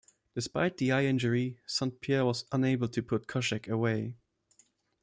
Despite the eye injury, St-Pierre was unable to put Koscheck away.